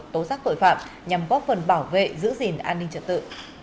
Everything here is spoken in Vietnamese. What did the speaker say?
tố giác tội phạm nhằm góp phần bảo vệ giữ gìn an ninh trật tự